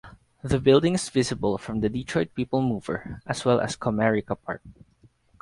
The building is visible from the Detroit People Mover, as well as Comerica Park.